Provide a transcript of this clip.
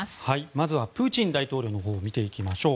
まずはプーチン大統領のほうを見ていきましょう。